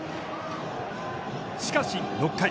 しかし、６回。